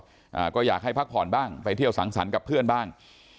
อ่าก็อยากให้พักผ่อนบ้างไปเที่ยวสังสรรค์กับเพื่อนบ้าง